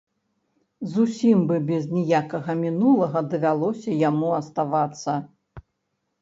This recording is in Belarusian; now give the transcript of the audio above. Зусім бы без ніякага мінулага давялося яму аставацца.